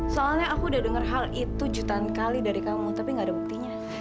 soalnya aku udah dengar hal itu jutaan kali dari kamu tapi gak ada buktinya